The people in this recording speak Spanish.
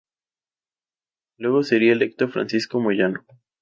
Luego sería electo Francisco Moyano.